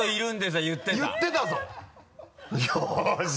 よし！